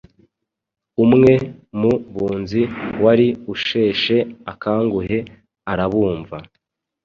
Umwe mu bunzi wari usheshe akanguhe arabumva,